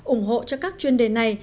ủng hộ cho các chuyên đề này